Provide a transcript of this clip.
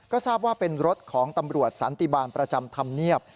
ก็ทราบว่าเป็นรถของตำรวจสันติบาลประจำธรรมเนียบ